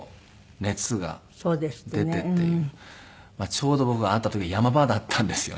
ちょうど僕会った時山場だったんですよね。